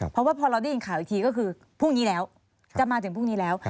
เพราะว่าพอเราได้ยินข่าวอีกทีก็คือพรุ่งนี้แล้วจะมาถึงพรุ่งนี้แล้ว